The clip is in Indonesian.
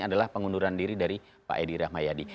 adalah pengunduran diri dari pak edi rahmayadi